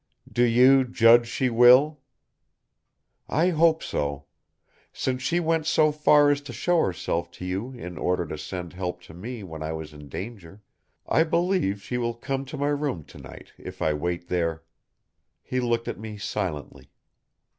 "Do you judge she will?" "I hope so. Since she went so far as to show herself to you in order to send help to me when I was in danger, I believe she will come to my room tonight if I wait there " He looked at me silently.